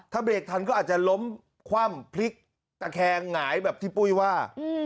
ถ้าเบรกทันก็อาจจะล้มคว่ำพลิกตะแคงหงายแบบที่ปุ้ยว่า